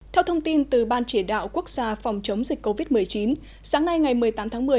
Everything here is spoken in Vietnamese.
theo thông tin từ ban chỉ đạo quốc gia phòng chống dịch covid một mươi chín sáng nay ngày một mươi tám tháng một mươi